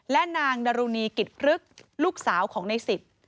และนางดรุณีกิจพลึกลูกสาวของในสิทธิ์